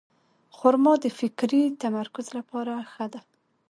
خرما د فکري تمرکز لپاره ښه ده.